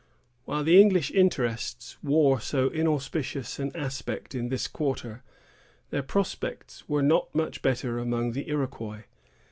While the English interests wore so inauspicious an aspect in this quarter, their prospects were not much better among the Iroquois.